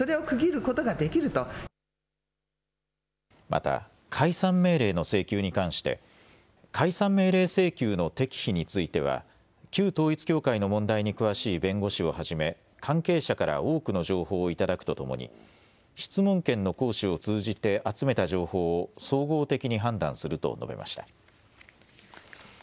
また解散命令の請求に関して解散命令請求の適否については旧統一教会の問題に詳しい弁護士をはじめ関係者から多くの情報を頂くとともに質問権の行使を通じて集めた情報を総合的に判断すると述べました。